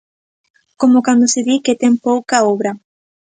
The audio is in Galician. Como cando se di que ten pouca obra.